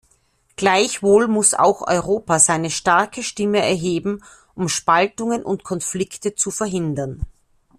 Gleichwohl muss auch Europa seine starke Stimme erheben, um Spaltungen und Konflikte zu verhindern.